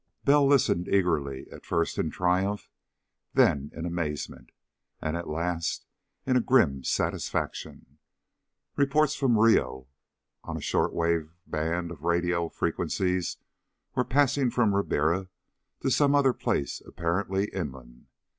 Bell listened eagerly, at first in triumph, then in amazement, and at last in a grim satisfaction. Reports from Rio on a short wave band of radio frequencies were passing from Ribiera to some other place apparently inland.